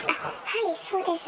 はい、そうです。